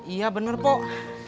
iya bener pok